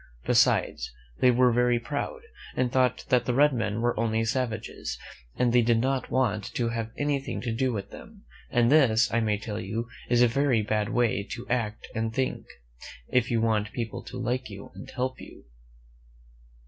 Besides, they were very proud, and thought that the red men were only savages, and they did not want to have anything to do with them; and this, I may tell you, is a very bad way to act and think, if you want people to like you and help you.